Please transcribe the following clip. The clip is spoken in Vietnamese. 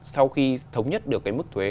sau khi thống nhất được cái mức thuế